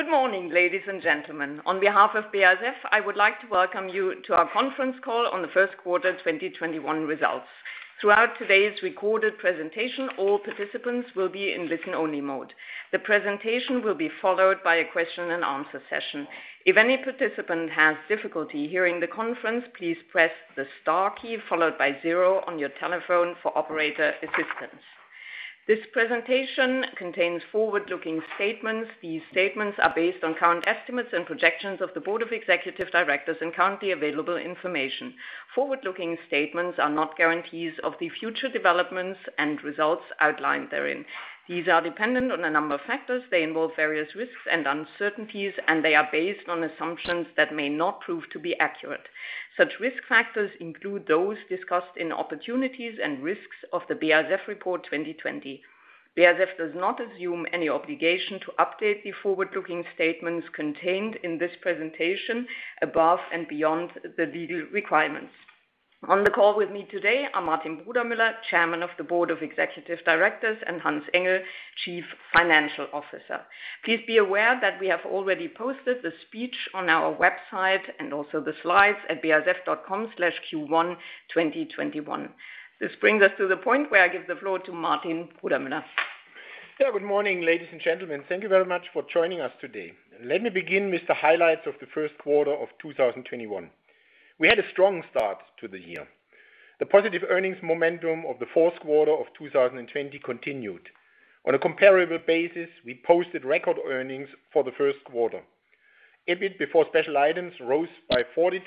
Good morning, ladies and gentlemen. On behalf of BASF, I would like to welcome you to our conference call on the first quarter 2021 results. Throughout today's recorded presentation, all participants will be in listen-only mode. The presentation will be followed by a question and answer session. If any participant has difficulty hearing the conference, please press the star key, followed by zero on your telephone for operator assistance. This presentation contains forward-looking statements. These statements are based on current estimates and projections of the board of executive directors and currently available information. Forward-looking statements are not guarantees of the future developments and results outlined therein. These are dependent on a number of factors. They involve various risks and uncertainties, and they are based on assumptions that may not prove to be accurate. Such risk factors include those discussed in Opportunities and Risks of the BASF Report 2020. BASF does not assume any obligation to update the forward-looking statements contained in this presentation above and beyond the legal requirements. On the call with me today are Martin Brudermüller, Chairman of the Board of Executive Directors, and Hans-Ulrich Engel, Chief Financial Officer. Please be aware that we have already posted the speech on our website and also the slides at basf.com/q12021. This brings us to the point where I give the floor to Martin Brudermüller. Good morning, ladies and gentlemen. Thank you very much for joining us today. Let me begin with the highlights of the first quarter of 2021. We had a strong start to the year. The positive earnings momentum of the fourth quarter of 2020 continued. On a comparable basis, we posted record earnings for the first quarter. EBIT before special items rose by 42%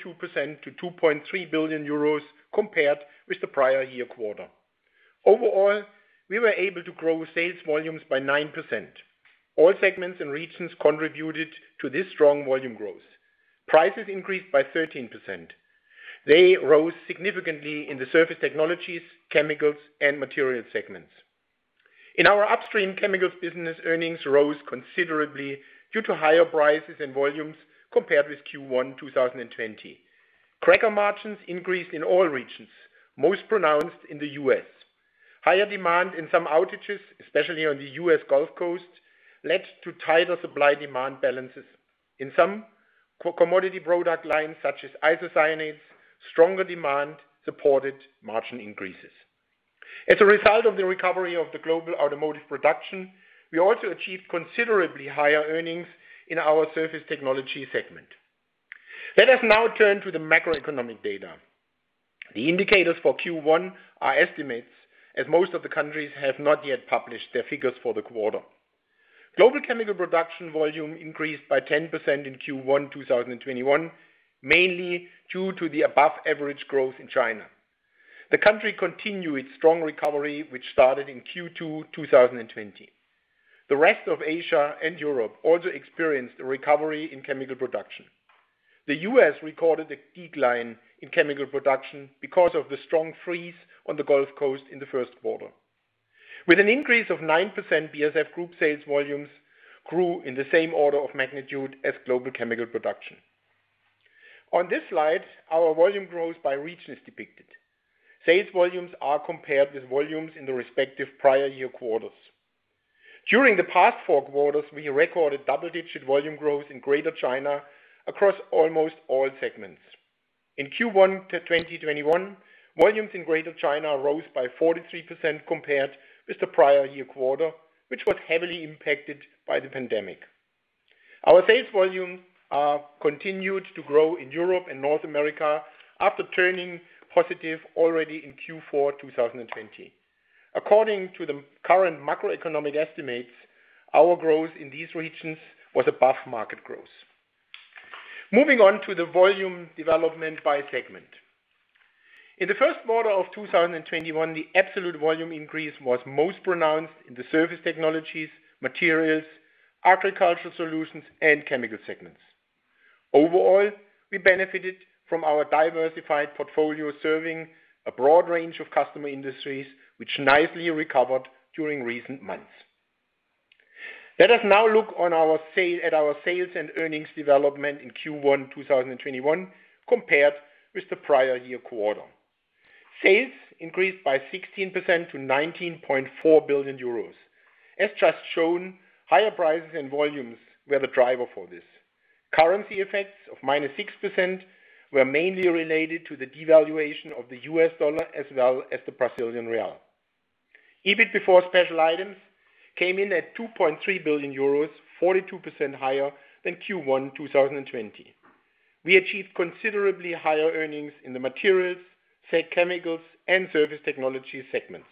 to 2.3 billion euros compared with the prior year quarter. Overall, we were able to grow sales volumes by 9%. All segments and regions contributed to this strong volume growth. Prices increased by 13%. They rose significantly in the Surface Technologies, Chemicals, and Materials segments. In our upstream chemicals business, earnings rose considerably due to higher prices and volumes compared with Q1 2020. Cracker margins increased in all regions, most pronounced in the U.S. Higher demand and some outages, especially on the U.S. Gulf Coast, led to tighter supply-demand balances. In some commodity product lines, such as isocyanates, stronger demand supported margin increases. As a result of the recovery of the global automotive production, we also achieved considerably higher earnings in our surface technology segment. Let us now turn to the macroeconomic data. The indicators for Q1 are estimates as most of the countries have not yet published their figures for the quarter. Global chemical production volume increased by 10% in Q1 2021, mainly due to the above-average growth in China. The country continued its strong recovery, which started in Q2 2020. The rest of Asia and Europe also experienced a recovery in chemical production. The U.S. recorded a decline in chemical production because of the strong freeze on the Gulf Coast in the first quarter. With an increase of 9%, BASF Group sales volumes grew in the same order of magnitude as global chemical production. On this slide, our volume growth by region is depicted. Sales volumes are compared with volumes in the respective prior year quarters. During the past four quarters, we recorded double-digit volume growth in Greater China across almost all segments. In Q1 2021, volumes in Greater China rose by 43% compared with the prior year quarter, which was heavily impacted by the pandemic. Our sales volume continued to grow in Europe and North America after turning positive already in Q4 2020. According to the current macroeconomic estimates, our growth in these regions was above market growth. Moving on to the volume development by segment. In the first quarter of 2021, the absolute volume increase was most pronounced in the surface technologies, materials, Agricultural Solutions, and Chemicals segments. Overall, we benefited from our diversified portfolio serving a broad range of customer industries, which nicely recovered during recent months. Let us now look at our sales and earnings development in Q1 2021 compared with the prior year quarter. Sales increased by 16% to 19.4 billion euros. As just shown, higher prices and volumes were the driver for this. Currency effects of minus 6% were mainly related to the devaluation of the US dollar as well as the Brazilian real. EBIT before special items came in at 2.3 billion euros, 42% higher than Q1 2020. We achieved considerably higher earnings in the Materials, Chemicals, and Surface Technologies segments.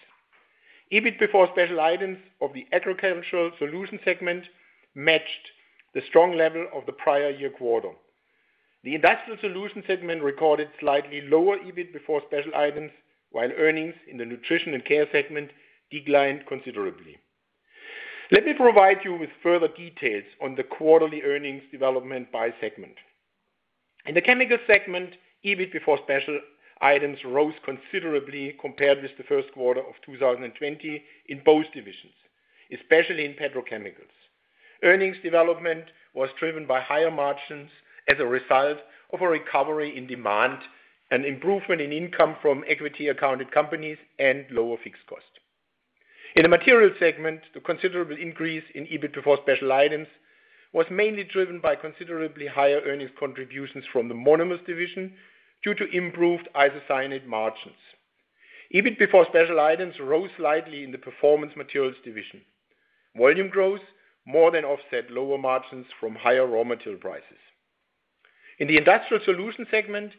EBIT before special items of the Agricultural Solutions segment matched the strong level of the prior year quarter. The Industrial Solutions segment recorded slightly lower EBIT before special items, while earnings in the Nutrition & Care segment declined considerably. Let me provide you with further details on the quarterly earnings development by segment. In the Chemicals segment, EBIT before special items rose considerably compared with the first quarter of 2020 in both divisions, especially in petrochemicals. Earnings development was driven by higher margins as a result of a recovery in demand, an improvement in income from equity accounted companies and lower fixed cost. In the Materials segment, the considerable increase in EBIT before special items was mainly driven by considerably higher earnings contributions from the monomers division due to improved isocyanate margins. EBIT before special items rose slightly in the performance materials division. Volume growth more than offset lower margins from higher raw material prices. In the Industrial Solutions segment,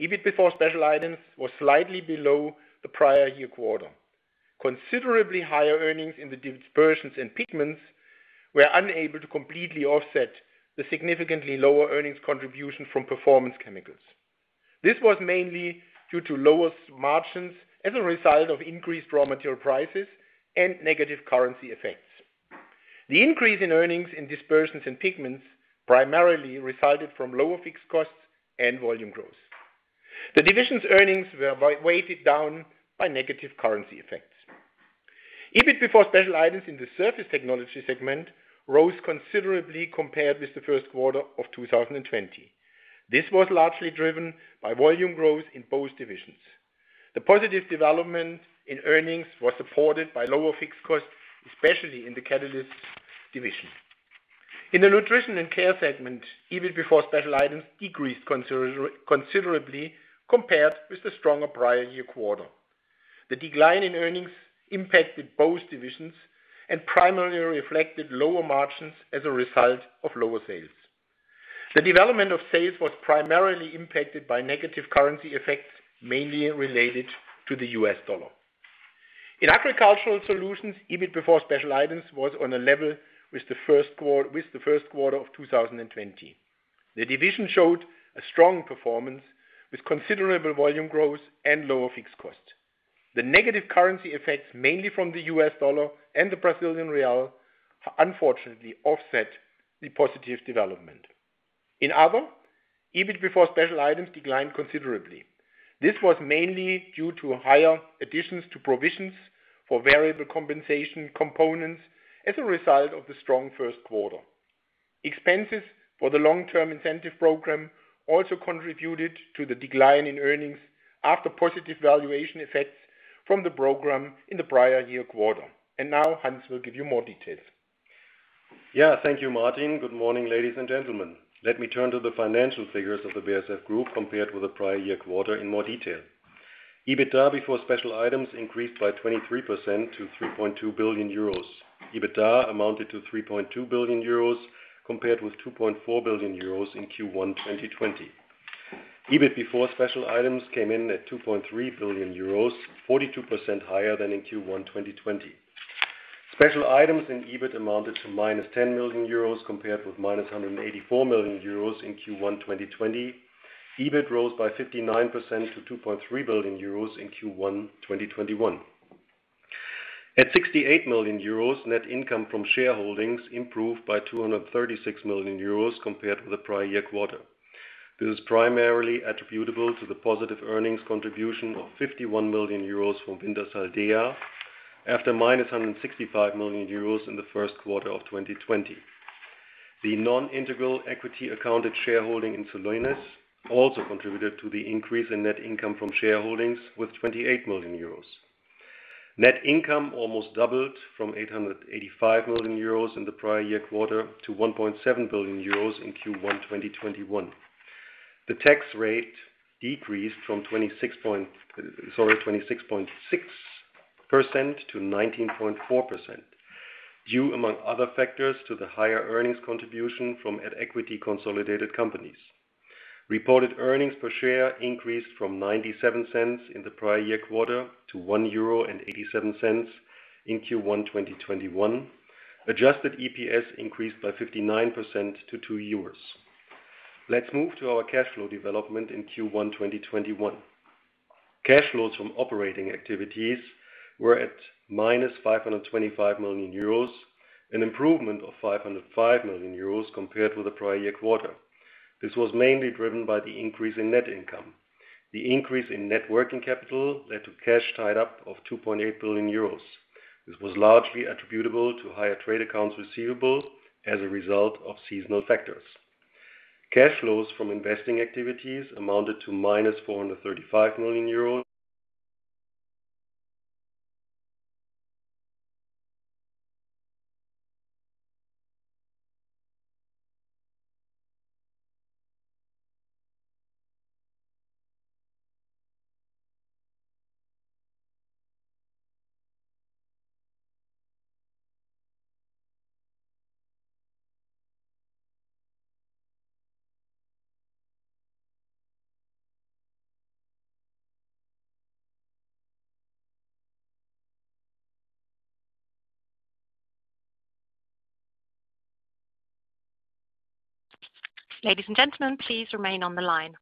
EBIT before special items was slightly below the prior year quarter. Considerably higher earnings in the dispersions and pigments were unable to completely offset the significantly lower earnings contribution from performance chemicals. This was mainly due to lower margins as a result of increased raw material prices and negative currency effects. The increase in earnings in dispersions and pigments primarily resulted from lower fixed costs and volume growth. The division's earnings were weighted down by negative currency effects. EBIT before special items in the Surface Technology segment rose considerably compared with the first quarter of 2020. This was largely driven by volume growth in both divisions. The positive development in earnings was supported by lower fixed costs, especially in the catalyst division. In the Nutrition and Care segment, EBIT before special items decreased considerably compared with the stronger prior year quarter. The decline in earnings impacted both divisions and primarily reflected lower margins as a result of lower sales. The development of sales was primarily impacted by negative currency effects, mainly related to the US dollar. In Agricultural Solutions, EBIT before special items was on a level with the first quarter of 2020. The division showed a strong performance with considerable volume growth and lower fixed costs. The negative currency effects, mainly from the US dollar and the Brazilian real, unfortunately offset the positive development. In other, EBIT before special items declined considerably. This was mainly due to higher additions to provisions for variable compensation components as a result of the strong first quarter. Expenses for the Long-Term Incentive Program also contributed to the decline in earnings after positive valuation effects from the program in the prior year quarter. Now Hans will give you more details. Thank you, Martin. Good morning, ladies and gentlemen. Let me turn to the financial figures of the BASF Group compared with the prior year quarter in more detail. EBITDA before special items increased by 23% to 3.2 billion euros. EBITDA amounted to 3.2 billion euros compared with 2.4 billion euros in Q1 2020. EBIT before special items came in at 2.3 billion euros, 42% higher than in Q1 2020. Special items in EBIT amounted to minus 10 million euros compared with minus 184 million euros in Q1 2020. EBIT rose by 59% to 2.3 billion euros in Q1 2021. At 68 million euros, net income from shareholdings improved by 236 million euros compared with the prior year quarter. This is primarily attributable to the positive earnings contribution of 51 million euros from Wintershall Dea after minus 165 million euros in the first quarter of 2020. The non-integral equity accounted shareholding in Solenis also contributed to the increase in net income from shareholdings with 28 million euros. Net income almost doubled from 885 million euros in the prior year quarter to 1.7 billion euros in Q1 2021. The tax rate decreased from 26.6% to 19.4%, due among other factors to the higher earnings contribution from at equity consolidated companies. Reported earnings per share increased from 0.97 in the prior year quarter to 1.87 euro in Q1 2021. Adjusted EPS increased by 59% to 2 euros. Let's move to our cash flow development in Q1 2021. Cash flows from operating activities were at minus 525 million euros, an improvement of 505 million euros compared with the prior year quarter. This was mainly driven by the increase in net income. The increase in net working capital led to cash tied up of 2.8 billion euros. This was largely attributable to higher trade accounts receivables as a result of seasonal factors. Cash flows from investing activities amounted to minus 435 million euros. Ladies and gentlemen, please remain on the line.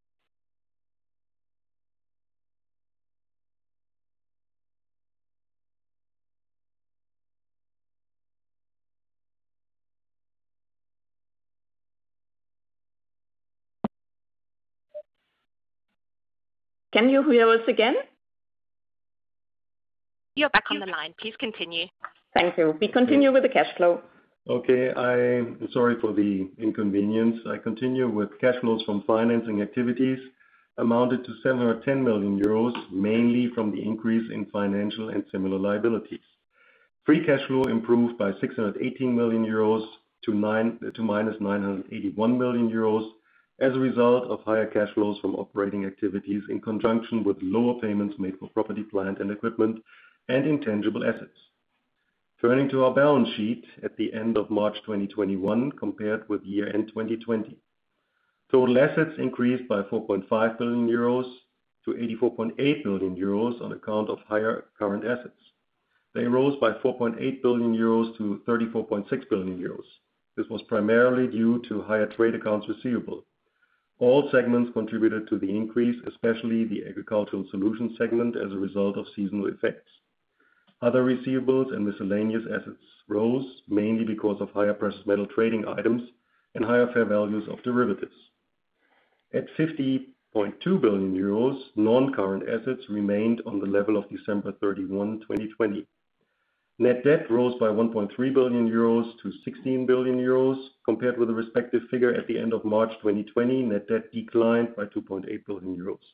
Can you hear us again? You're back on the line. Please continue. Thank you. We continue with the cash flow. Okay. I'm sorry for the inconvenience. I continue with cash flows from financing activities amounted to 710 million euros, mainly from the increase in financial and similar liabilities. Free cash flow improved by 618 million euros to minus 981 million euros as a result of higher cash flows from operating activities in conjunction with lower payments made for property, plant, and equipment and intangible assets. Turning to our balance sheet at the end of March 2021 compared with year-end 2020. Total assets increased by 4.5 billion euros to 84.8 billion euros on account of higher current assets. They rose by 4.8 billion euros to 34.6 billion euros. This was primarily due to higher trade accounts receivable. All segments contributed to the increase, especially the Agricultural Solutions segment as a result of seasonal effects. Other receivables and miscellaneous assets rose mainly because of higher precious metal trading items and higher fair values of derivatives. At 50.2 billion euros, non-current assets remained on the level of December 31, 2020. Net debt rose by 1.3 billion euros to 16 billion euros. Compared with the respective figure at the end of March 2020, net debt declined by 2.8 billion euros.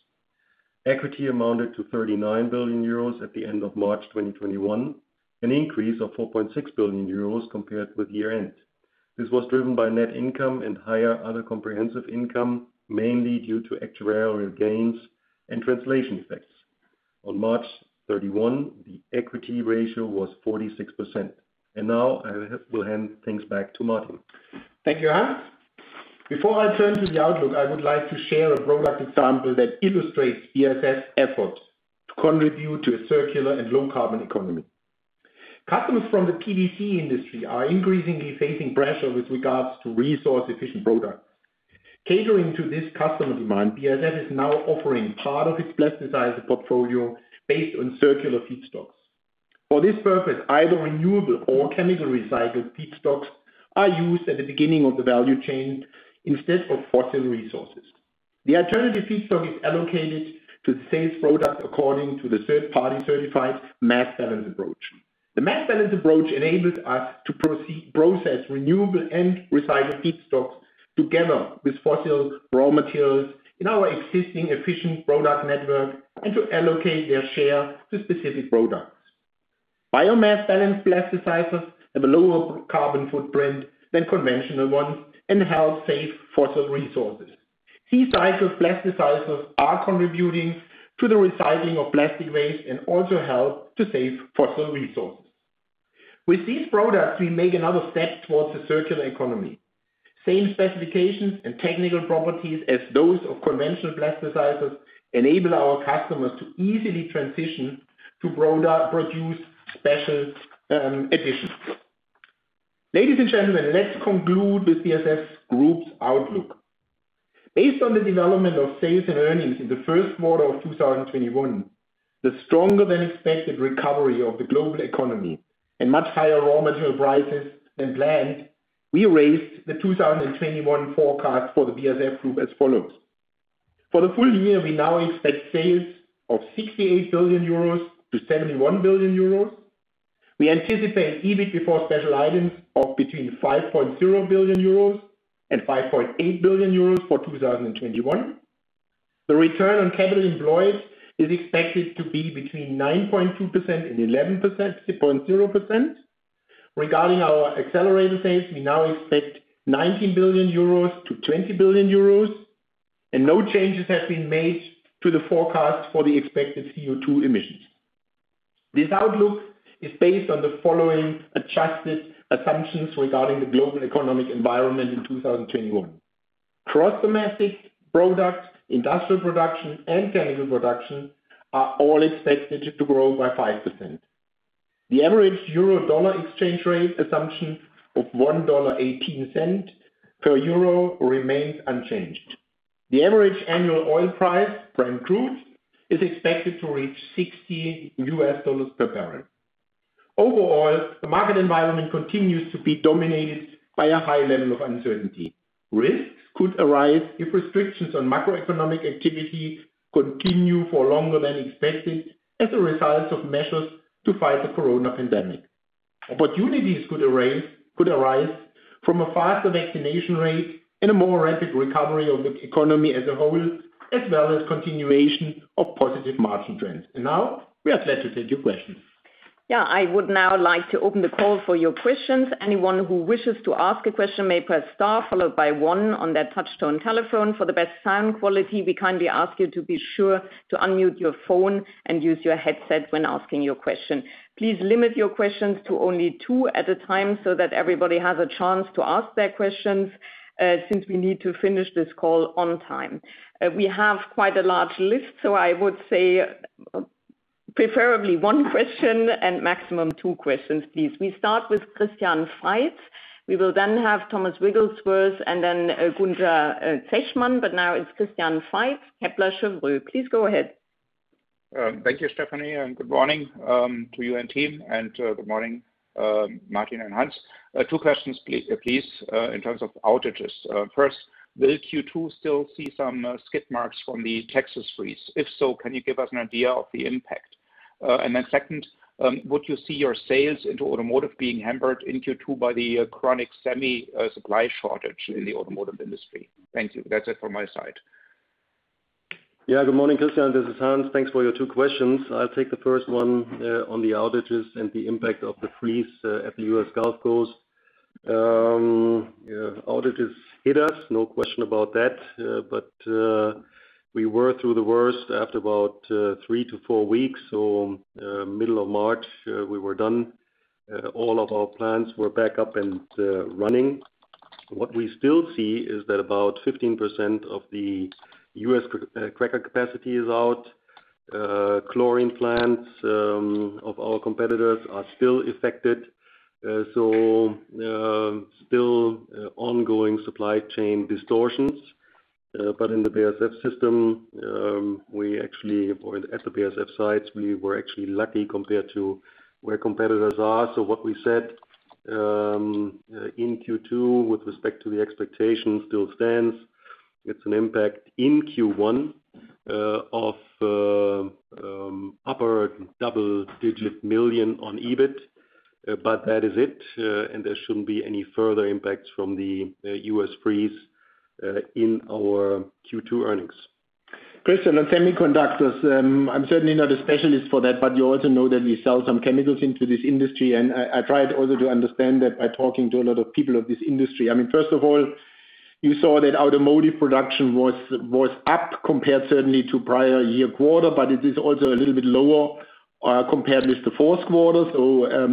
Equity amounted to 39 billion euros at the end of March 2021, an increase of 4.6 billion euros compared with year-end. This was driven by net income and higher other comprehensive income, mainly due to actuarial gains and translation effects. On March 31, the equity ratio was 46%. Now, I will hand things back to Martin. Thank you, Hans. Before I turn to the outlook, I would like to share a product example that illustrates BASF's effort to contribute to a circular and low-carbon economy. Customers from the PVC industry are increasingly facing pressure with regards to resource-efficient products. Catering to this customer demand, BASF is now offering part of its plasticizer portfolio based on circular feedstocks. For this purpose, either renewable or chemical recycled feedstocks are used at the beginning of the value chain instead of fossil resources. The alternative feedstock is allocated to the sales product according to the third-party certified mass balance approach. The mass balance approach enables us to process renewable and recycled feedstocks together with fossil raw materials in our existing efficient product network and to allocate their share to specific products. Biomass balanced plasticizers have a lower carbon footprint than conventional ones and help save fossil resources. Recycled plasticizers are contributing to the recycling of plastic waste and also help to save fossil resources. With these products, we make another step towards a circular economy. Same specifications and technical properties as those of conventional plasticizers enable our customers to easily transition to produce special editions. Ladies and gentlemen, let's conclude with BASF Group's outlook. Based on the development of sales and earnings in the first quarter of 2021, the stronger-than-expected recovery of the global economy and much higher raw material prices than planned, we raised the 2021 forecast for the BASF Group as follows. For the full year, we now expect sales of 68 billion euros to 71 billion euros. We anticipate EBIT before special items of between 5.0 billion euros and 5.8 billion euros for 2021. The return on capital employed is expected to be between 9.2% and 11.0%. Regarding our Accelerator sales, we now expect 19 billion euros to 20 billion euros, and no changes have been made to the forecast for the expected CO2 emissions. This outlook is based on the following adjusted assumptions regarding the global economic environment in 2021. Gross domestic product, industrial production, and chemical production are all expected to grow by 5%. The average euro-dollar exchange rate assumption of $1.18 per EUR remains unchanged. The average annual oil price, Brent crude, is expected to reach $60 per barrel. Overall, the market environment continues to be dominated by a high level of uncertainty. Risks could arise if restrictions on macroeconomic activity continue for longer than expected as a result of measures to fight the corona pandemic. Opportunities could arise from a faster vaccination rate and a more rapid recovery of the economy as a whole, as well as continuation of positive margin trends. Now we are glad to take your questions. I would now like to open the call for your questions. Please limit your questions to only two at a time so that everybody has a chance to ask their questions, since we need to finish this call on time. We have quite a large list, so I would say preferably one question and maximum two questions, please. We start with Christian Faitz. We will then have Thomas Wrigglesworth and then Gunther Zechmann, but now it's Christian Faitz, Kepler Cheuvreux. Please go ahead. Thank you, Stefanie, and good morning to you and team, and good morning, Martin and Hans. Two questions, please, in terms of outages. First, will Q2 still see some skid marks from the Texas freeze? If so, can you give us an idea of the impact? Second, would you see your sales into automotive being hampered in Q2 by the chronic semi supply shortage in the automotive industry? Thank you. That's it from my side. Good morning, Christian. This is Hans. Thanks for your two questions. I'll take the first one on the outages and the impact of the freeze at the U.S. Gulf Coast. Outages hit us, no question about that. We were through the worst after about three to four weeks. Middle of March, we were done. All of our plants were back up and running. What we still see is that about 15% of the U.S. cracker capacity is out. Chlorine plants of our competitors are still affected, still ongoing supply chain distortions. In the BASF system, at the BASF sites, we were actually lucky compared to where competitors are. What we said in Q2 with respect to the expectations still stands. It's an impact in Q1 of upper double-digit 1 million on EBIT, that is it. There shouldn't be any further impacts from the U.S. freeze in our Q2 earnings. Christian, on semiconductors, I'm certainly not a specialist for that, but you also know that we sell some chemicals into this industry, and I tried also to understand that by talking to a lot of people of this industry. First of all, you saw that automotive production was up compared certainly to prior year quarter, but it is also a little bit lower compared with the fourth quarter.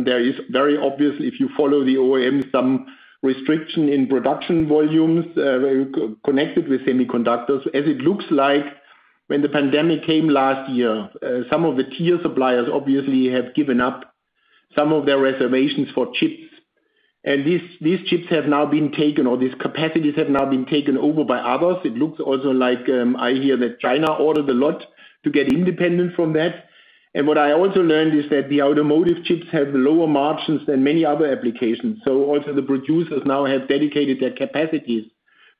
There is very obvious, if you follow the OEM, some restriction in production volumes connected with semiconductors. As it looks like when the pandemic came last year, some of the tier suppliers obviously have given up some of their reservations for chips, and these chips have now been taken, or these capacities have now been taken over by others. It looks also like I hear that China ordered a lot to get independent from that. What I also learned is that the automotive chips have lower margins than many other applications. Also the producers now have dedicated their capacities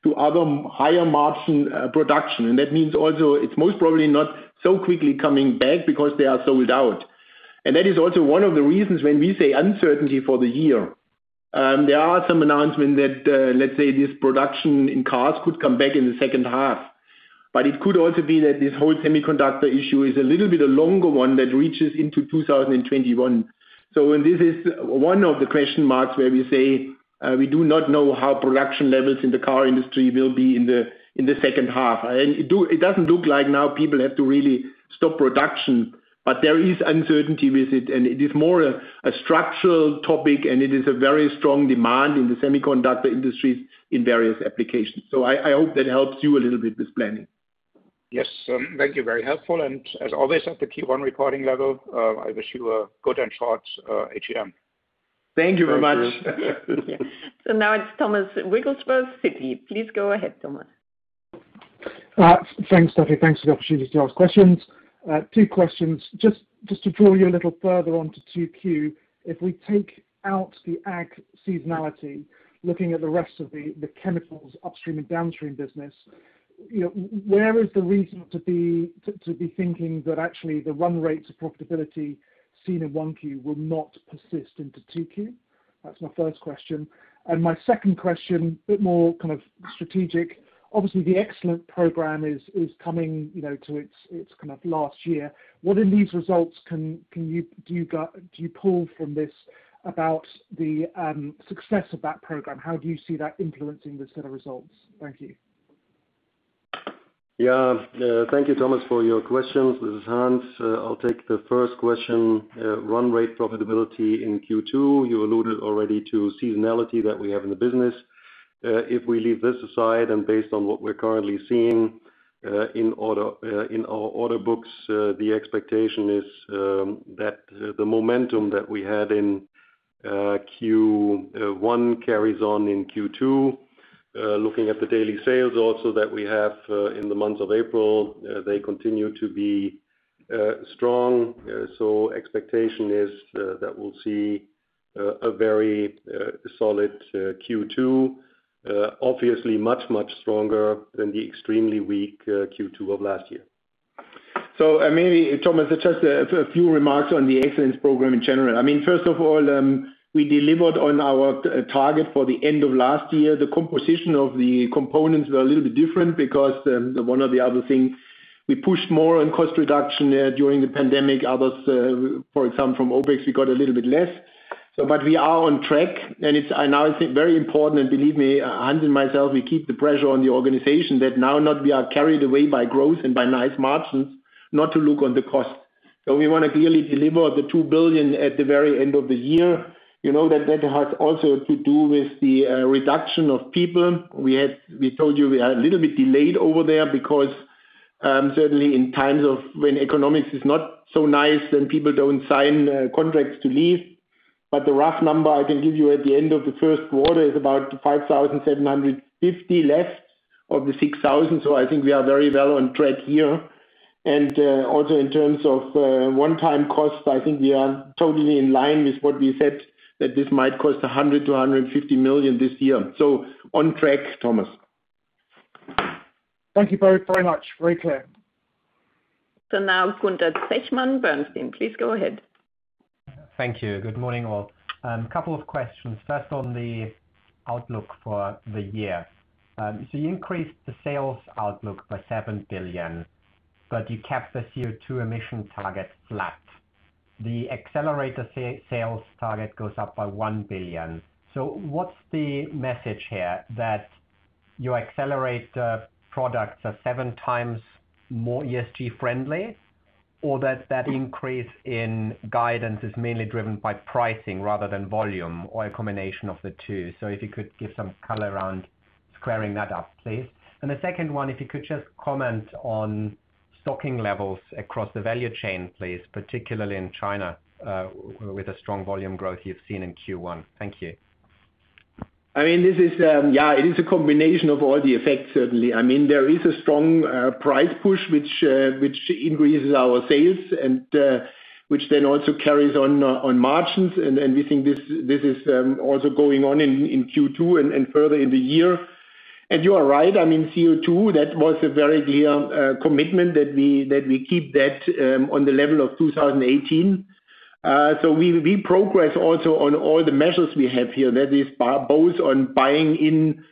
to other higher-margin production. That means also it's most probably not so quickly coming back because they are sold out. That is also one of the reasons when we say uncertainty for the year. There are some announcements that, let's say, this production in cars could come back in the second half. It could also be that this whole semiconductor issue is a little bit a longer one that reaches into 2021. This is one of the question marks where we say we do not know how production levels in the car industry will be in the second half. It doesn't look like now people have to really stop production, but there is uncertainty with it, and it is more a structural topic, and it is a very strong demand in the semiconductor industries in various applications. I hope that helps you a little bit with planning. Yes. Thank you. Very helpful. As always, at the Q1 reporting level, I wish you a good and short AGM. Thank you very much. Thank you. Now it's Thomas Wrigglesworth, Citi. Please go ahead, Thomas. Thanks, Stephanie. Thanks for the opportunity to ask questions. Two questions. Just to draw you a little further on to 2Q, if we take out the ag seasonality, looking at the rest of the chemicals upstream and downstream business, where is the reason to be thinking that actually the run rates of profitability seen in 1Q will not persist into 2Q? That's my first question. My second question, a bit more kind of strategic. Obviously, the Excellence Program is coming to its kind of last year. What in these results do you pull from this about the success of that program? How do you see that influencing the set of results? Thank you. Yeah. Thank you, Thomas, for your questions. This is Hans. I'll take the first question, run rate profitability in Q2. You alluded already to seasonality that we have in the business. If we leave this aside and based on what we're currently seeing in our order books, the expectation is that the momentum that we had in Q1 carries on in Q2. Looking at the daily sales also that we have in the month of April, they continue to be strong. Expectation is that we'll see a very solid Q2. Obviously much stronger than the extremely weak Q2 of last year. Maybe, Thomas, just a few remarks on the Excellence Program in general. First of all, we delivered on our target for the end of last year. The composition of the components were a little bit different because of one or the other thing. We pushed more on cost reduction during the pandemic. Others, for example, from OpEx, we got a little bit less. We are on track, and now I think very important, and believe me, Hans and myself, we keep the pressure on the organization that now not we are carried away by growth and by nice margins, not to look on the cost. We want to clearly deliver the 2 billion at the very end of the year. You know that has also to do with the reduction of people. We told you we are a little bit delayed over there because, certainly in times of when economics is not so nice, then people don't sign contracts to leave. The rough number I can give you at the end of the first quarter is about 5,750 left of the 6,000. I think we are very well on track here. Also in terms of one-time costs, I think we are totally in line with what we said, that this might cost 100 million-150 million this year. On track, Thomas. Thank you both very much. Very clear. Now Gunther Zechmann, Bernstein. Please go ahead. Thank you. Good morning, all. Couple of questions. First on the outlook for the year. You increased the sales outlook by 7 billion, but you kept the CO2 emission target flat. The accelerator sales target goes up by 1 billion. What's the message here? That your accelerator products are 7x more ESG friendly, or that that increase in guidance is mainly driven by pricing rather than volume, or a combination of the two? If you could give some color around squaring that up, please. The second one, if you could just comment on stocking levels across the value chain, please, particularly in China, with the strong volume growth you've seen in Q1. Thank you. Yeah, it is a combination of all the effects, certainly. There is a strong price push, which increases our sales and which then also carries on margins. We think this is also going on in Q2 and further in the year. You are right, CO2, that was a very clear commitment that we keep that on the level of 2018. We progress also on all the measures we have here, that is both on buying in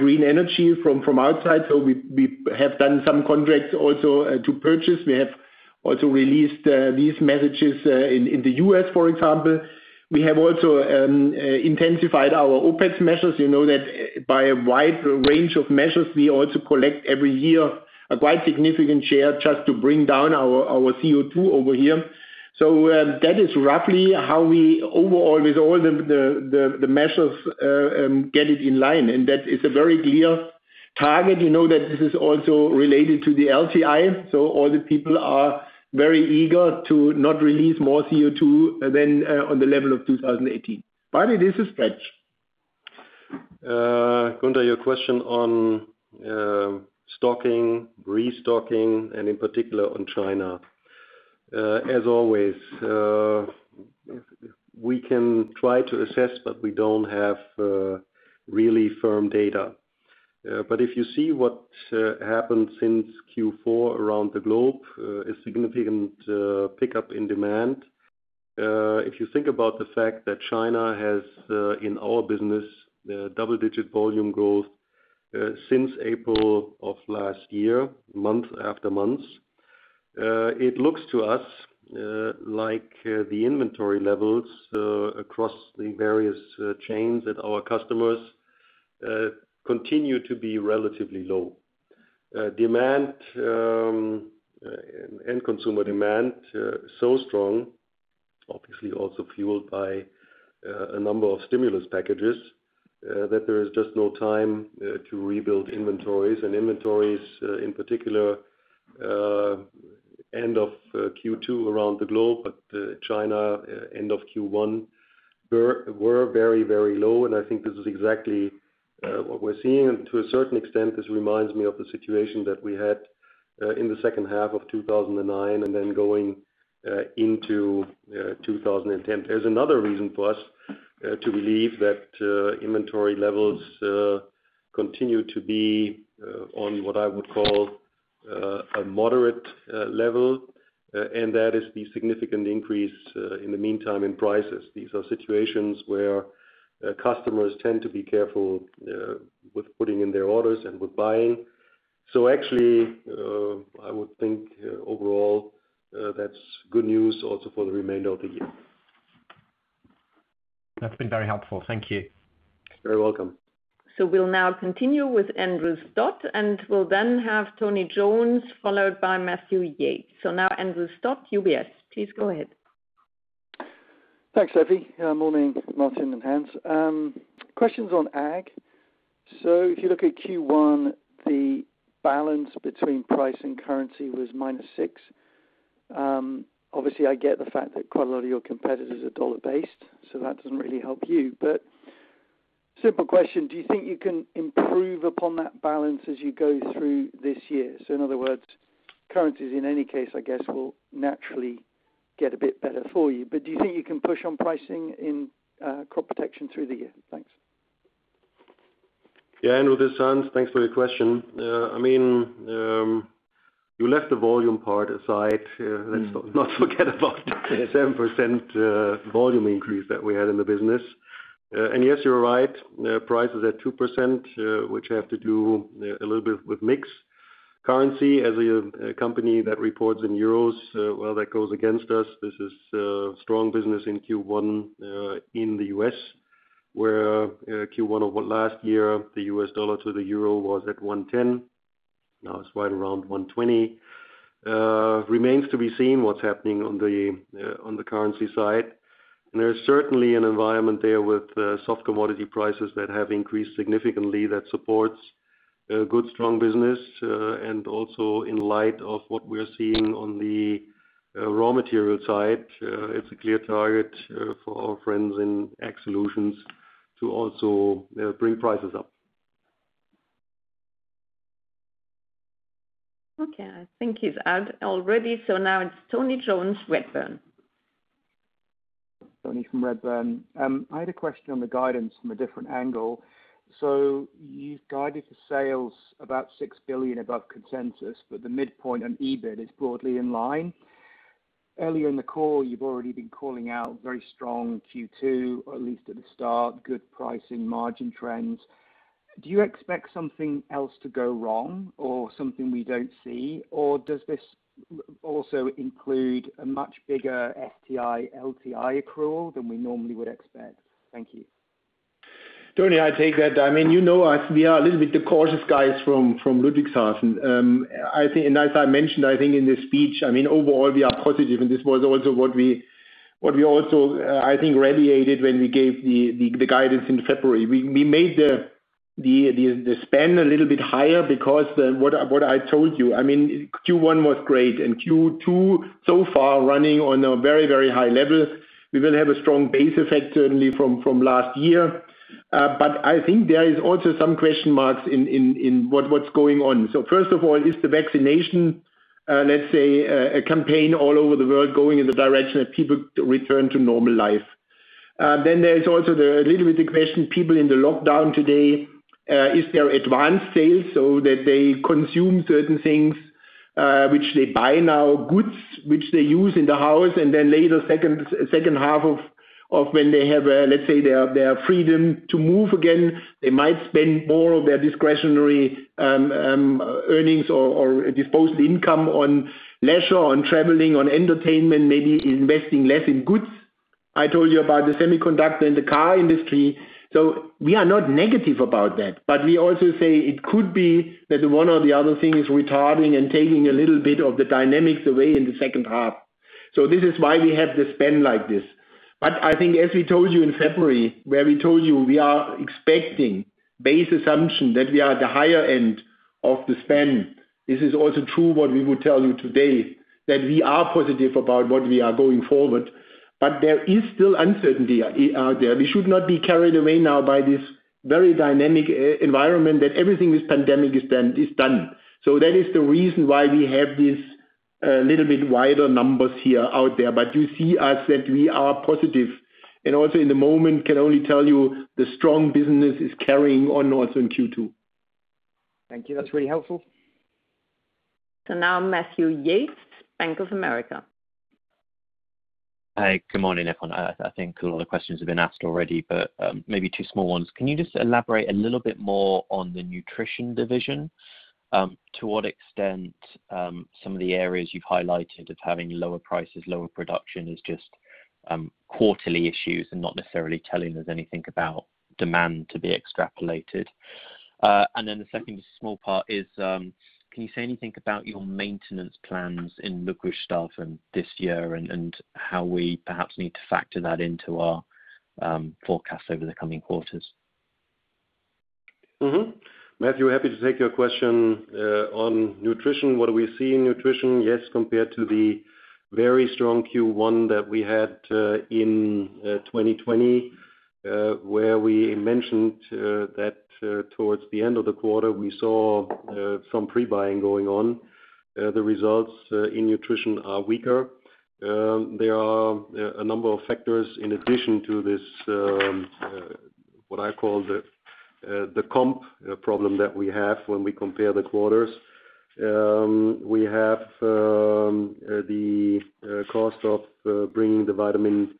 green energy from outside. We have done some contracts also to purchase. We have also released these messages in the U.S., for example. We have also intensified our OpEx measures, you know that by a wide range of measures, we also collect every year a quite significant share just to bring down our CO2 over here. That is roughly how we overall, with all the measures, get it in line and that is a very clear target. You know that this is also related to the LTI, all the people are very eager to not release more CO2 than on the level of 2018. It is a stretch. Gunther, your question on stocking, restocking and in particular on China. As always, we can try to assess, but we don't have really firm data. If you see what happened since Q4 around the globe, a significant pickup in demand. If you think about the fact that China has, in our business, double-digit volume growth since April of last year, month after month. It looks to us like the inventory levels across the various chains at our customers continue to be relatively low. End consumer demand so strong, obviously also fueled by a number of stimulus packages, that there is just no time to rebuild inventories and inventories, in particular, end of Q2 around the globe, but China end of Q1 were very low and I think this is exactly what we're seeing. To a certain extent, this reminds me of the situation that we had in the second half of 2009 and then going into 2010. There's another reason for us to believe that inventory levels continue to be on what I would call a moderate level, and that is the significant increase in the meantime in prices. These are situations where customers tend to be careful with putting in their orders and with buying. Actually, I would think overall, that's good news also for the remainder of the year. That's been very helpful. Thank you. You're welcome. We'll now continue with Andrew Stott, and we'll then have Tony Jones, followed by Matthew Yates. Now Andrew Stott, UBS. Please go ahead. Thanks, Steffi. Morning, Martin and Hans. Questions on Ag. If you look at Q1, the balance between price and currency was -6%. Obviously I get the fact that quite a lot of your competitors are U.S. dollar based, so that doesn't really help you. Simple question, do you think you can improve upon that balance as you go through this year? In other words, currencies in any case, I guess will naturally get a bit better for you, but do you think you can push on pricing in crop protection through the year? Thanks. Yeah, Andrew, this is Hans. Thanks for your question. You left the volume part aside. Let's not forget about the 7% volume increase that we had in the business. Yes, you're right, price is at 2%, which have to do a little bit with mix. Currency as a company that reports in euros, well, that goes against us. This is strong business in Q1 in the U.S. where Q1 of last year, the US dollar to the EUR was at 110. Now it's right around 120. Remains to be seen what's happening on the currency side. There's certainly an environment there with soft commodity prices that have increased significantly that supports good, strong business. Also in light of what we're seeing on the raw material side, it's a clear target for our friends in Ag Solutions to also bring prices up. I think he's out already. Now it's Tony Jones, Redburn. Tony from Redburn. I had a question on the guidance from a different angle. You've guided the sales about 6 billion above consensus, but the midpoint on EBIT is broadly in line. Earlier in the call, you've already been calling out very strong Q2, or at least at the start, good pricing margin trends. Do you expect something else to go wrong or something we don't see? Or does this also include a much bigger STI, LTI accrual than we normally would expect? Thank you. Tony, I take that. You know us, we are a little bit the cautious guys from Ludwigshafen. As I mentioned, I think in the speech, overall we are positive and this was also what we also, I think radiated when we gave the guidance in February. We made the span a little bit higher because what I told you. Q1 was great and Q2 so far running on a very, very high level. We will have a strong base effect certainly from last year. I think there is also some question marks in what's going on. First of all, is the vaccination, let's say, a campaign all over the world going in the direction of people return to normal life? There's also the little bit question, people in the lockdown today, is there advanced sales so that they consume certain things, which they buy now, goods which they use in the house and later, second half of when they have, let's say, their freedom to move again, they might spend more of their discretionary earnings or disposable income on leisure, on traveling, on entertainment, maybe investing less in goods. I told you about the semiconductor and the car industry. We are not negative about that, but we also say it could be that one or the other thing is retarding and taking a little bit of the dynamics away in the second half. This is why we have the spend like this. I think as we told you in February, where we told you we are expecting base assumption that we are at the higher end of the spend. This is also true what we would tell you today, that we are positive about what we are going forward, but there is still uncertainty out there. We should not be carried away now by this very dynamic environment that everything is pandemic is done. That is the reason why we have these a little bit wider numbers here out there. You see us that we are positive and also in the moment can only tell you the strong business is carrying on also in Q2. Thank you. That's really helpful. Now Matthew Yates, Bank of America. Hi, good morning everyone. I think a lot of questions have been asked already, but maybe two small ones. Can you just elaborate a little bit more on the nutrition division? To what extent some of the areas you've highlighted of having lower prices, lower production is just quarterly issues and not necessarily telling us anything about demand to be extrapolated? The second small part is, can you say anything about your maintenance plans in Ludwigshafen this year and how we perhaps need to factor that into our forecast over the coming quarters? Matthew, happy to take your question on nutrition. What do we see in nutrition? Compared to the very strong Q1 that we had in 2020, where we mentioned that towards the end of the quarter we saw some pre-buying going on. The results in nutrition are weaker. There are a number of factors in addition to this, what I call the comp problem that we have when we compare the quarters. We have the cost of bringing the vitamin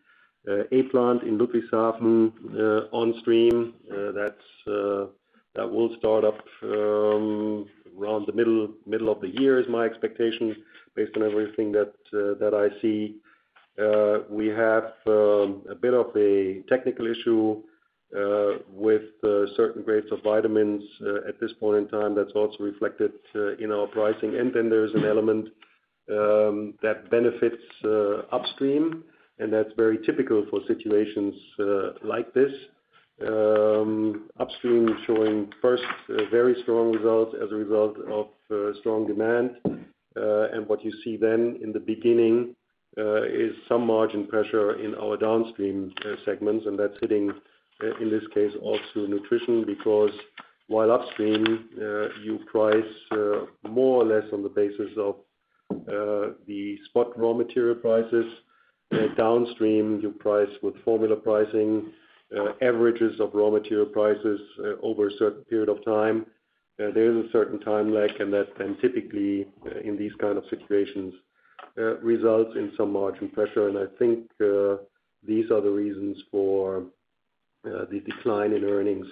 A plant in Ludwigshafen on stream. That will start up around the middle of the year is my expectation based on everything that I see. We have a bit of a technical issue with certain grades of vitamins at this point in time that's also reflected in our pricing. There is an element that benefits upstream and that's very typical for situations like this. Upstream showing first very strong results as a result of strong demand. What you see then in the beginning is some margin pressure in our downstream segments and that's hitting, in this case also nutrition because while upstream, you price more or less on the basis of the spot raw material prices. Downstream, you price with formula pricing, averages of raw material prices over a certain period of time. There is a certain time lag and that then typically in these kind of situations, results in some margin pressure and I think these are the reasons for the decline in earnings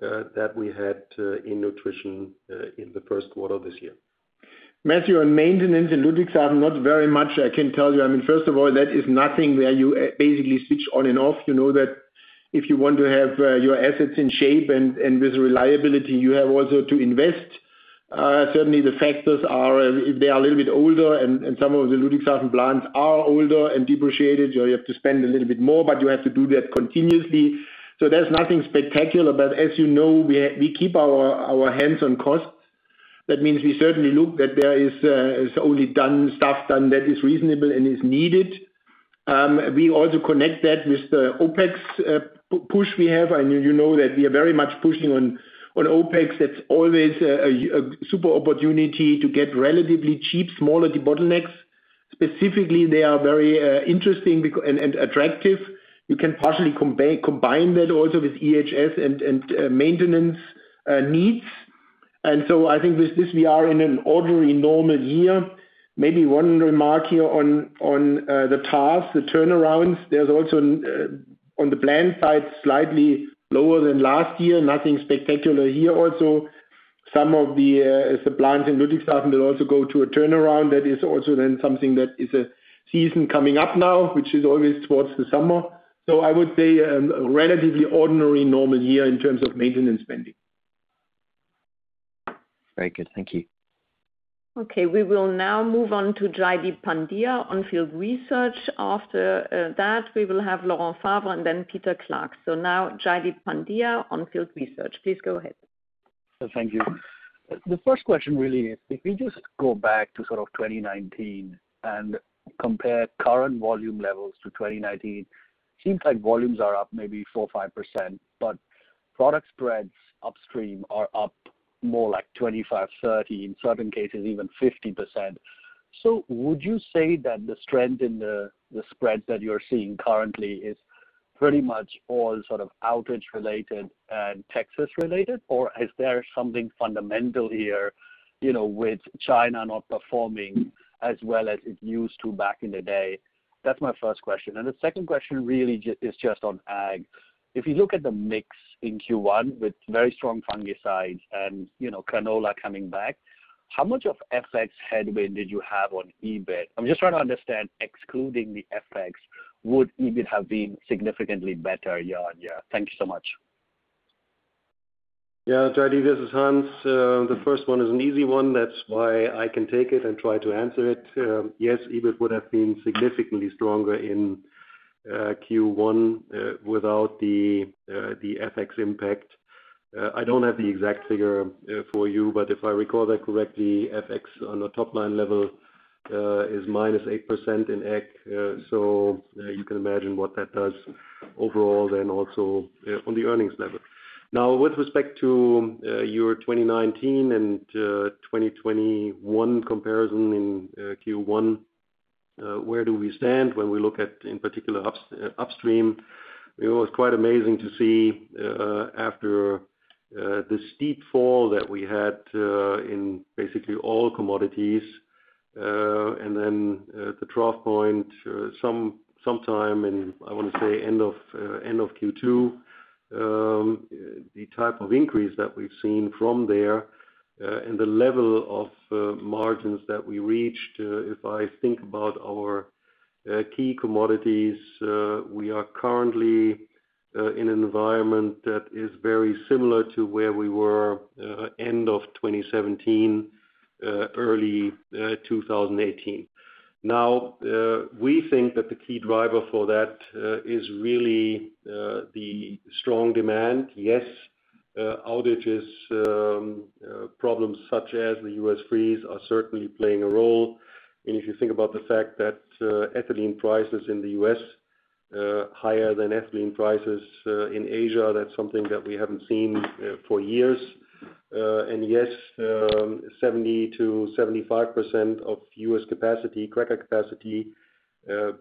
that we had in nutrition in the first quarter this year. Matthew, on maintenance in Ludwigshafen, not very much I can tell you. First of all, that is nothing where you basically switch on and off. You know that if you want to have your assets in shape and with reliability, you have also to invest. Certainly the factors are, if they are a little bit older and some of the Ludwigshafen plants are older and depreciated, you have to spend a little bit more, but you have to do that continuously. There's nothing spectacular, but as you know, we keep our hands on costs. That means we certainly look that there is only stuff done that is reasonable and is needed. We also connect that with the OpEx push we have and you know that we are very much pushing on OpEx. That's always a super opportunity to get relatively cheap smaller bottlenecks Specifically, they are very interesting and attractive. You can partially combine that also with EHS and maintenance needs. I think this, we are in an ordinary, normal year. Maybe one remark here on the TARs, the turnarounds. There's also on the plant side, slightly lower than last year. Nothing spectacular here. Some of the plants in Ludwigshafen will also go to a turnaround. That is also then something that is a season coming up now, which is always towards the summer. I would say a relatively ordinary normal year in terms of maintenance spending. Very good. Thank you. We will now move on to Jaideep Pandya On Field Research. After that, we will have Laurent Favre and then Peter Clark. Now Jaideep Pandya On Field Research. Please go ahead. Thank you. The first question really is, if we just go back to 2019 and compare current volume levels to 2019, seems like volumes are up maybe 4%, 5%, but product spreads upstream are up more like 25%, 30%, in certain cases, even 50%. Would you say that the strength in the spreads that you're seeing currently is pretty much all outage related and Texas related, or is there something fundamental here, with China not performing as well as it used to back in the day? That's my first question. The second question really is just on ag. If you look at the mix in Q1 with very strong fungicides and canola coming back, how much of FX headwind did you have on EBIT? I'm just trying to understand, excluding the FX, would EBIT have been significantly better year-over-year? Thank you so much. Yeah, Jaideep, this is Hans. The first one is an easy one. That's why I can take it and try to answer it. Yes, EBIT would have been significantly stronger in Q1 without the FX impact. I don't have the exact figure for you, but if I recall that correctly, FX on a top-line level is -8% in EUR, so you can imagine what that does overall then also on the earnings level. Now with respect to your 2019 and 2021 comparison in Q1, where do we stand when we look at, in particular, upstream? It was quite amazing to see after the steep fall that we had in basically all commodities, the trough point, sometime in, I want to say end of Q2, the type of increase that we've seen from there, and the level of margins that we reached. If I think about our key commodities, we are currently in an environment that is very similar to where we were end of 2017, early 2018. We think that the key driver for that is really the strong demand. Yes, outages, problems such as the U.S. freeze are certainly playing a role. If you think about the fact that ethylene prices in the U.S., higher than ethylene prices in Asia, that's something that we haven't seen for years. Yes, 70%-75% of U.S. capacity, cracker capacity,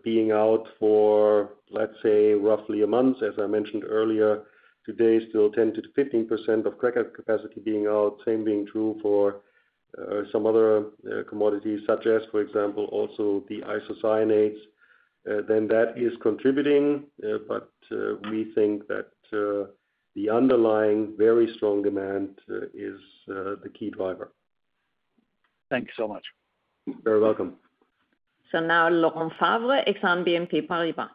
being out for, let's say, roughly a month, as I mentioned earlier. Today, still 10%-15% of cracker capacity being out, same being true for some other commodities, such as, for example, also the isocyanates. That is contributing. We think that the underlying very strong demand is the key driver. Thank you so much. You're welcome. Now Laurent Favre, Exane BNP Paribas.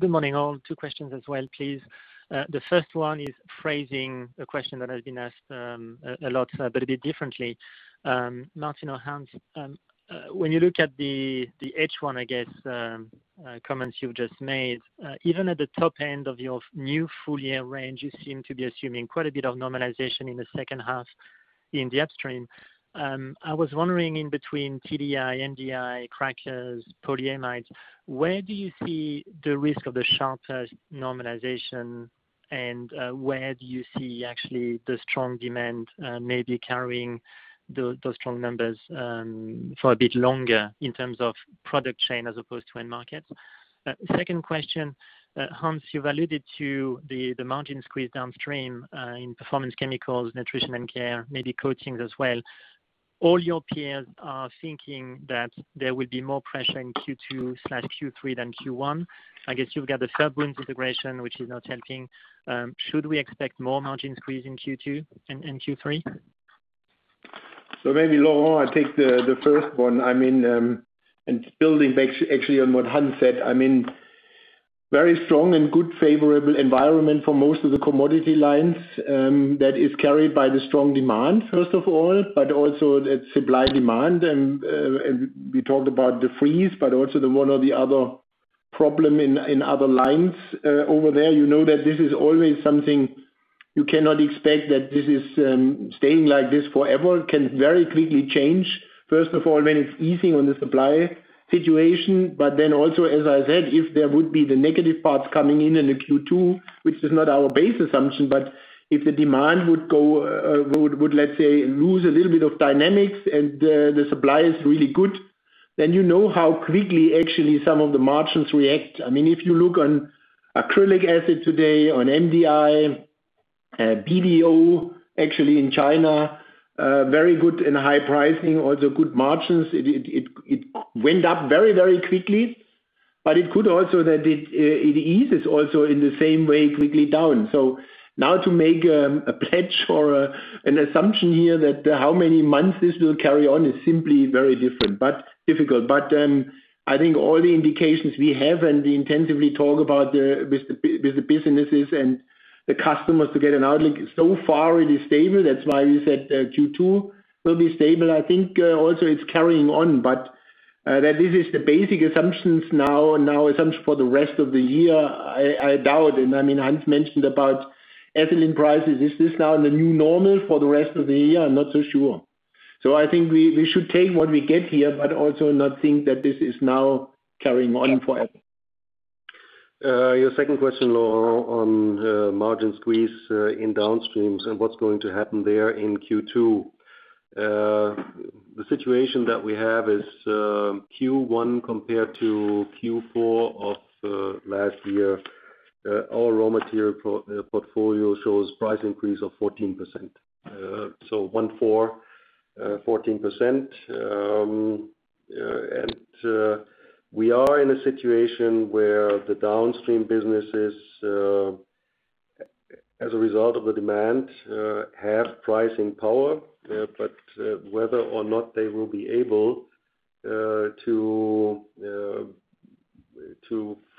Good morning, all. Two questions as well, please. The first one is phrasing a question that has been asked a lot, but a bit differently. Martin or Hans, when you look at the H1, I guess, comments you just made, even at the top end of your new full-year range, you seem to be assuming quite a bit of normalization in the second half in the upstream. I was wondering in between TDI, MDI, crackers, polyamides, where do you see the risk of the sharper normalization and where do you see actually the strong demand maybe carrying those strong numbers for a bit longer in terms of product chain as opposed to end markets? Second question, Hans, you've alluded to the margin squeeze downstream in Performance Chemicals, Nutrition & Care, maybe Coatings as well. All your peers are thinking that there will be more pressure in Q2/Q3 than Q1. I guess you've got the Ciba integration, which is not helping. Should we expect more margin squeeze in Q2 and Q3? Maybe Laurent Favre, I take the first one. Building actually on what Hans-Ulrich Engel said. Very strong and good favorable environment for most of the commodity lines that is carried by the strong demand, first of all, but also the supply-demand, and we talked about the freeze, but also the one or the other problem in other lines over there. You know that this is always something you cannot expect that this is staying like this forever, it can very quickly change. First of all, when it's easing on the supply situation, but then also, as I said, if there would be the negative parts coming in in the Q2, which is not our base assumption, but if the demand would, let's say, lose a little bit of dynamics and the supply is really good You know how quickly actually some of the margins react. If you look on acrylic acid today, on MDI, BDO, actually in China, very good and high pricing, also good margins. It went up very quickly, but it could also that it eases also in the same way quickly down. Now to make a pledge or an assumption here that how many months this will carry on is simply very difficult. I think all the indications we have, and we intensively talk about with the businesses and the customers to get an outlook, so far it is stable. That's why you said Q2 will be stable. I think also it's carrying on, but that this is the basic assumptions now and our assumption for the rest of the year, I doubt. Hans mentioned about ethylene prices. Is this now the new normal for the rest of the year? I'm not so sure. I think we should take what we get here, but also not think that this is now carrying on forever. Your second question, Laurent, on margin squeeze in downstreams and what's going to happen there in Q2. The situation that we have is Q1 compared to Q4 of last year. Our raw material portfolio shows price increase of 14%. One four, 14%. We are in a situation where the downstream businesses, as a result of the demand, have pricing power. Whether or not they will be able to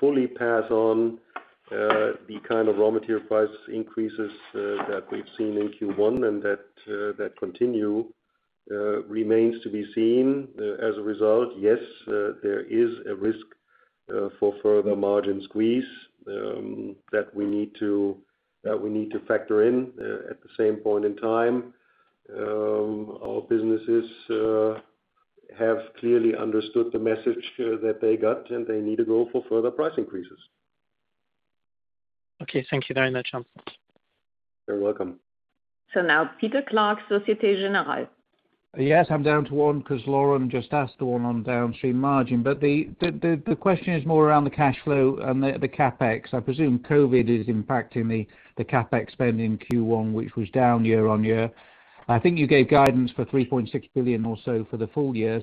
fully pass on the kind of raw material price increases that we've seen in Q1 and that continue remains to be seen. As a result, yes, there is a risk for further margin squeeze that we need to factor in. At the same point in time, our businesses have clearly understood the message that they got, and they need to go for further price increases. Okay. Thank you very much, Hans. You're welcome. Now Peter Clark, Société Générale. I'm down to one because Laurent just asked the one on downstream margin. The question is more around the cash flow and the CapEx. I presume COVID is impacting the CapEx spend in Q1, which was down year-on-year. I think you gave guidance for 3.6 billion or so for the full year.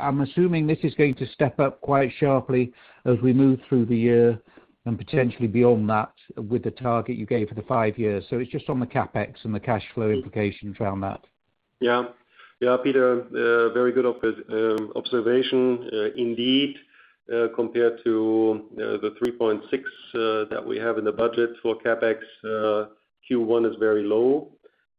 I'm assuming this is going to step up quite sharply as we move through the year and potentially beyond that with the target you gave for the five years. It's just on the CapEx and the cash flow implications around that. Yeah. Peter, very good observation. Indeed, compared to the 3.6 billion that we have in the budget for CapEx, Q1 is very low.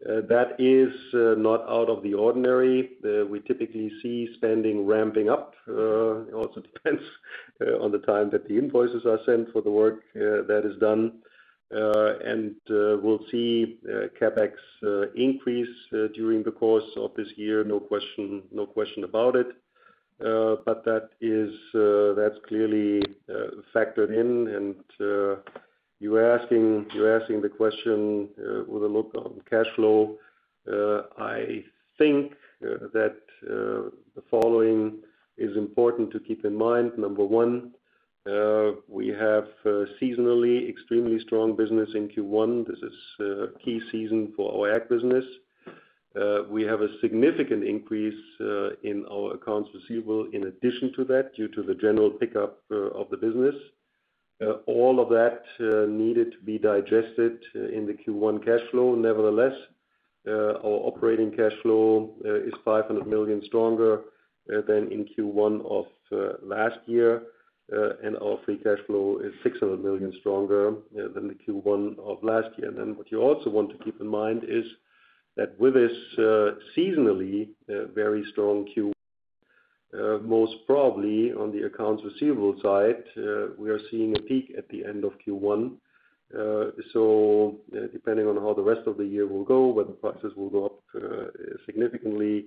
That is not out of the ordinary. We typically see spending ramping up. It also depends on the time that the invoices are sent for the work that is done. We'll see CapEx increase during the course of this year, no question about it. That's clearly factored in. You're asking the question with a look on cash flow. I think that the following is important to keep in mind. Number one, we have seasonally extremely strong business in Q1. This is a key season for our ag business. We have a significant increase in our accounts receivable in addition to that due to the general pickup of the business. All of that needed to be digested in the Q1 cash flow. Nevertheless, our operating cash flow is 500 million stronger than in Q1 of last year. Our free cash flow is 600 million stronger than the Q1 of last year. What you also want to keep in mind is that with this seasonally very strong Q1, most probably on the accounts receivable side, we are seeing a peak at the end of Q1. Depending on how the rest of the year will go, whether prices will go up significantly,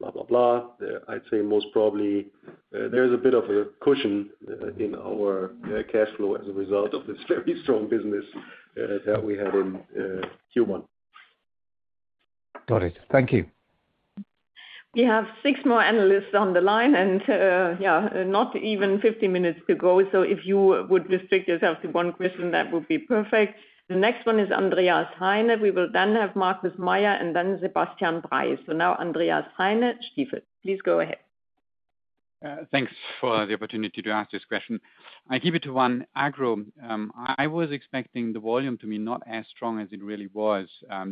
blah, blah, I'd say most probably there is a bit of a cushion in our cash flow as a result of this very strong business that we had in Q1. Got it. Thank you. We have six more analysts on the line and not even 15 minutes to go. If you would restrict yourself to one question, that would be perfect. The next one is Andreas Heine. We will then have Markus Mayer and then Sebastian Bray. Now Andreas Heine, Stifel. Please go ahead. Thanks for the opportunity to ask this question. I keep it to one. Agro. I was expecting the volume to be not as strong as it really was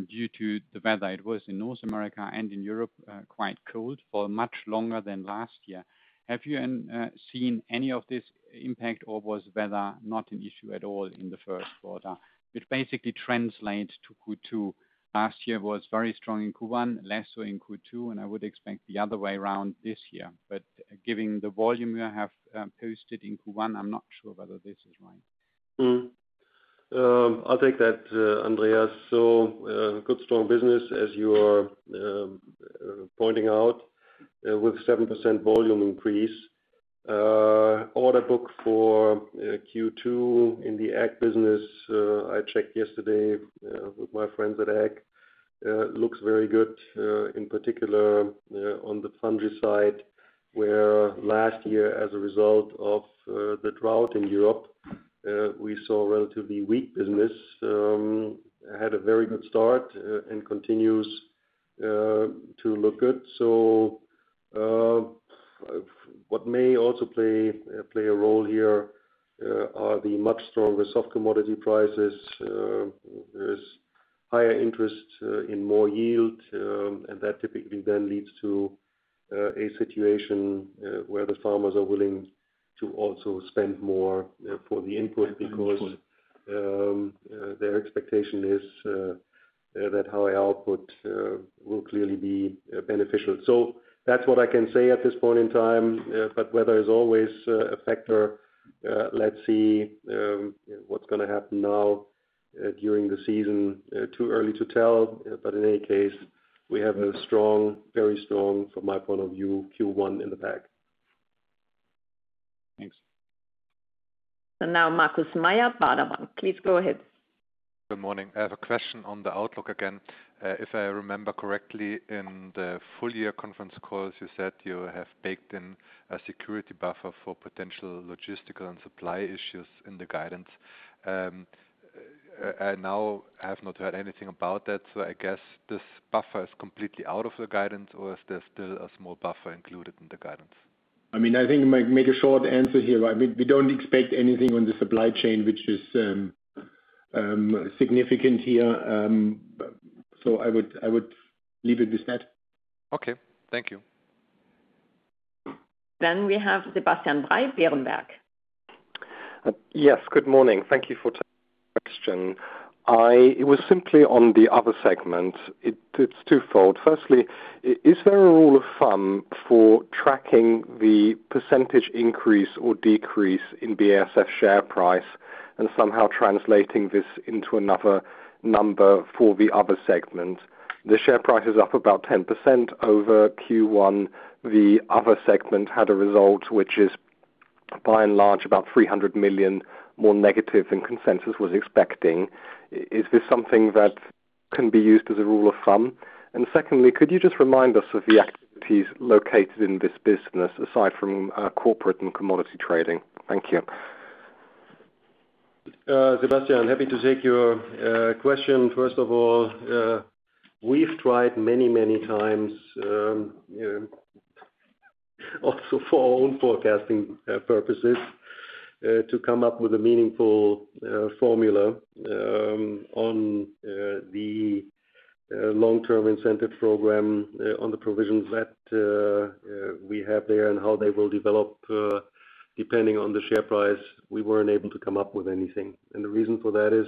due to the weather. It was in North America and in Europe, quite cold for much longer than last year. Have you seen any of this impact or was weather not an issue at all in the first quarter? Which basically translates to Q2. Last year was very strong in Q1, less so in Q2, and I would expect the other way around this year. Given the volume you have posted in Q1, I'm not sure whether this is right. I'll take that, Andreas. Good strong business, as you are pointing out, with 7% volume increase. Order book for Q2 in the ag business, I checked yesterday with my friends at ag. Looks very good, in particular on the fungicide, where last year as a result of the drought in Europe, we saw relatively weak business. Had a very good start and continues to look good. What may also play a role here are the much stronger soft commodity prices. There's higher interest in more yield, and that typically then leads to a situation where the farmers are willing to also spend more for the input because their expectation is that high output will clearly be beneficial. That's what I can say at this point in time. Weather is always a factor. Let's see what's going to happen now during the season. Too early to tell. In any case, we have a very strong, from my point of view, Q1 in the bag. Thanks. Now Markus Mayer, Baader Bank. Please go ahead. Good morning. I have a question on the outlook again. If I remember correctly, in the full year conference calls, you said you have baked in a security buffer for potential logistical and supply issues in the guidance. I now have not heard anything about that, I guess this buffer is completely out of the guidance, or is there still a small buffer included in the guidance? I think I might make a short answer here. We don't expect anything on the supply chain which is significant here. I would leave it with that. Okay. Thank you. We have Sebastian Bray, Berenberg. Yes, good morning. Thank you for taking my question. It was simply on the Other Segment. It's twofold. Firstly, is there a rule of thumb for tracking the percentage increase or decrease in BASF share price and somehow translating this into another number for the Other Segment? The share price is up about 10% over Q1. The Other Segment had a result which is by and large about 300 million more negative than consensus was expecting. Is this something that can be used as a rule of thumb? Secondly, could you just remind us of the activities located in this business, aside from corporate and commodity trading? Thank you. Sebastian, happy to take your question. First of all, we've tried many times, also for our own forecasting purposes, to come up with a meaningful formula on the long-term incentive program, on the provisions that we have there and how they will develop depending on the share price. We weren't able to come up with anything. The reason for that is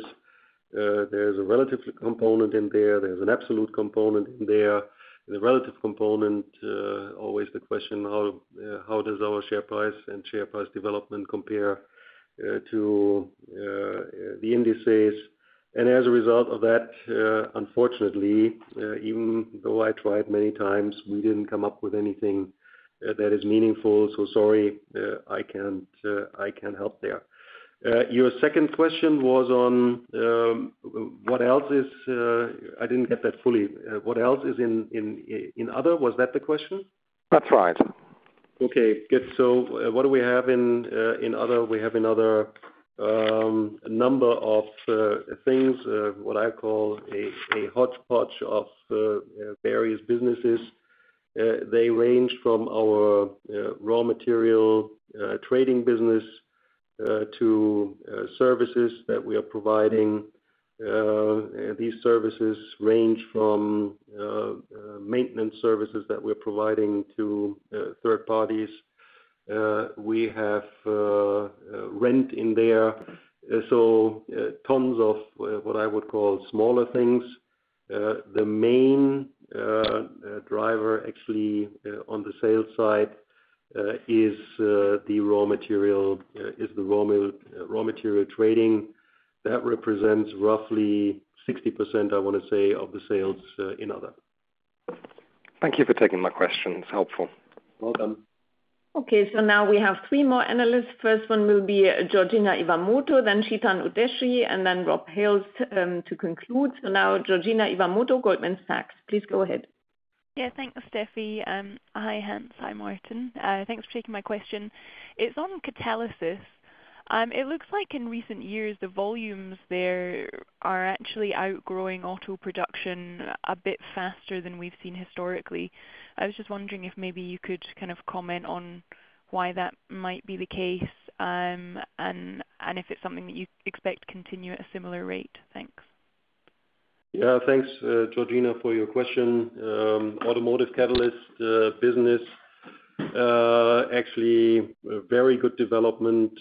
there's a relative component in there's an absolute component in there. The relative component, always the question, how does our share price and share price development compare to the indices? As a result of that, unfortunately, even though I tried many times, we didn't come up with anything that is meaningful. Sorry, I can't help there. Your second question was on I didn't get that fully. What else is in other? Was that the question? That's right. Okay, good. What do we have in other? We have another number of things, what I call a hot patch of various businesses. They range from our raw material trading business to services that we are providing. These services range from maintenance services that we're providing to third parties. We have rent in there. Tons of what I would call smaller things. The main driver actually on the sales side is the raw material trading. That represents roughly 60%, I want to say, of the sales in other. Thank you for taking my questions. Helpful. Welcome. Now we have three more analysts. First one will be Georgina Fraser, then Chetan Udeshi, and then Rob Hales to conclude. Now Georgina Fraser, Goldman Sachs. Please go ahead. Thanks, Steffi. Hi, Hans. Hi, Martin. Thanks for taking my question. It's on catalysis. It looks like in recent years, the volumes there are actually outgrowing auto production a bit faster than we've seen historically. I was just wondering if maybe you could comment on why that might be the case, and if it's something that you expect to continue at a similar rate. Thanks. Yeah. Thanks, Georgina, for your question. Automotive catalyst business actually very good development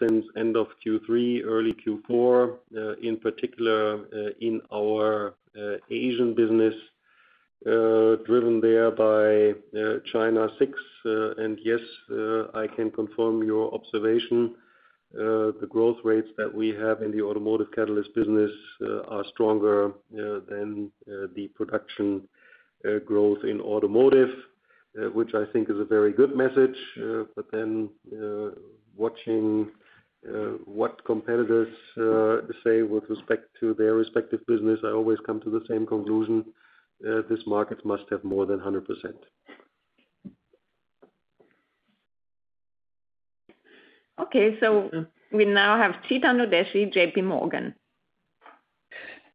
since end of Q3, early Q4, in particular in our Asian business, driven there by China 6. Yes, I can confirm your observation. The growth rates that we have in the automotive catalyst business are stronger than the production growth in automotive, which I think is a very good message. Watching what competitors say with respect to their respective business, I always come to the same conclusion, this market must have more than 100%. Okay, we now have Chetan Udeshi, JPMorgan.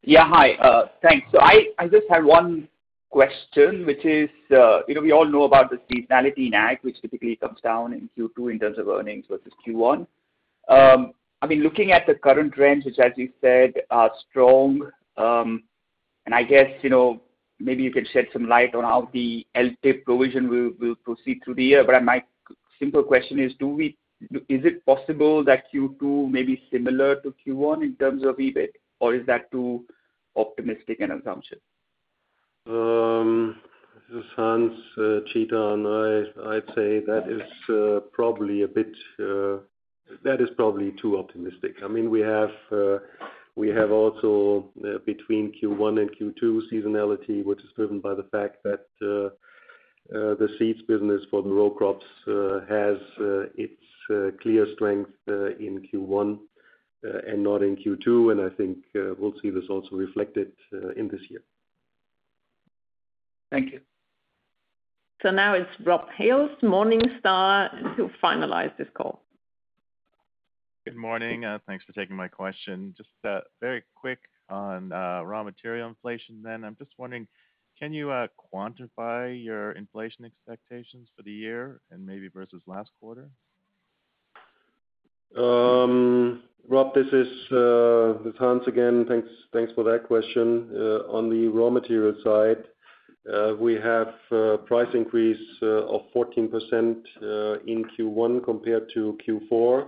Yeah. Hi. Thanks. I just had one question, which is, we all know about the seasonality in ag, which typically comes down in Q2 in terms of earnings versus Q1. I mean, looking at the current trends, which as you said, are strong, and I guess, maybe you can shed some light on how the LTIP provision will proceed through the year. My simple question is it possible that Q2 may be similar to Q1 in terms of EBIT, or is that too optimistic an assumption? This is Hans, Chetan. I'd say that is probably too optimistic. We have also between Q1 and Q2 seasonality, which is driven by the fact that the seeds business for the raw crops has its clear strength in Q1 and not in Q2. I think we'll see this also reflected in this year. Thank you. Now it's Rob Hales, Morningstar, to finalize this call. Good morning. Thanks for taking my question. Just very quick on raw material inflation, then. I'm just wondering, can you quantify your inflation expectations for the year and maybe versus last quarter? Rob, this is Hans again. Thanks for that question. On the raw material side, we have a price increase of 14% in Q1 compared to Q4.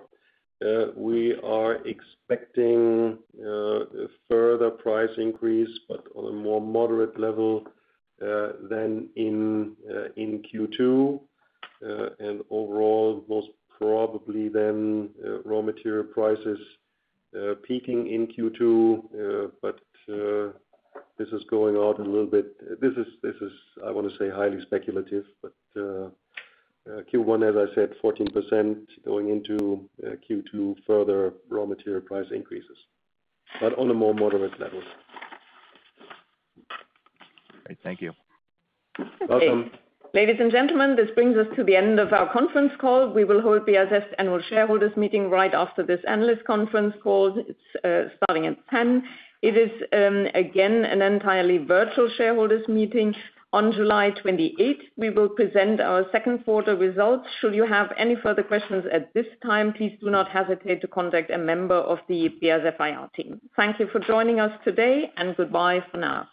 We are expecting a further price increase, but on a more moderate level than in Q2. Overall, most probably then, raw material prices peaking in Q2. This is, I want to say, highly speculative, but Q1, as I said, 14% going into Q2, further raw material price increases, but on a more moderate level. Great. Thank you. Welcome. Ladies and gentlemen, this brings us to the end of our conference call. We will hold BASF Annual Shareholders Meeting right after this analyst conference call. It is starting at 10:00. It is, again, an entirely virtual shareholders meeting. On July 28th, we will present our second quarter results. Should you have any further questions at this time, please do not hesitate to contact a member of the BASF IR team. Thank you for joining us today, and goodbye for now.